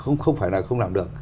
đúng không phải là không làm được